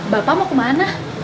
bapak mau kemana